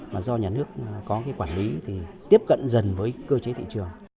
mà do nhà nước có cái quản lý thì tiếp cận dần với cơ chế thị trường